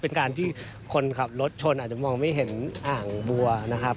เป็นการที่คนขับรถชนอาจจะมองไม่เห็นอ่างบัวนะครับ